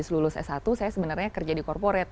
lulus s satu saya sebenarnya kerja di korporat